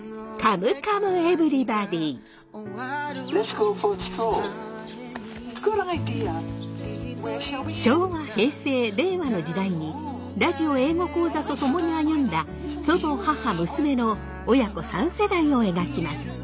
「Ｇｏｏｄｉｄｅａ！」．昭和平成令和の時代にラジオ英語講座と共に歩んだ祖母母娘の親子３世代を描きます。